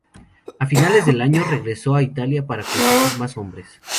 A finales del año regresó a Italia para conseguir más hombres.